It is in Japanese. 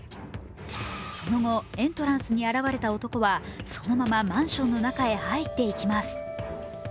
その後、エントランスに現れた男は、そのままマンションの中に入っていきます。